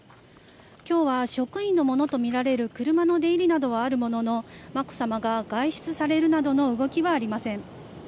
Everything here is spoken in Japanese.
きょうは職員のものと見られる車の出入りなどはあるものの、まこさまが外出されるなどの動きはありません。